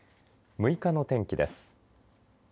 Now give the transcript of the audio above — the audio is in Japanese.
６日の天気です。